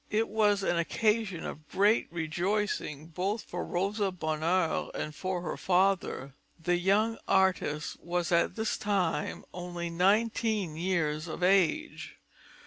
It was an occasion of great rejoicing both for Rosa Bonheur and for her father. The young artist was at this time only nineteen years of age.